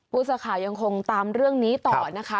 ปูศาขายังคงตามเรื่องนี้ต่อนะคะ